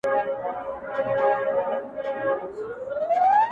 نه مي علم نه هنر په درد لګېږي٫